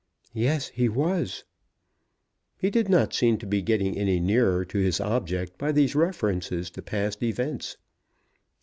"Yes, he was." He did not seem to be getting any nearer to his object by these references to past events.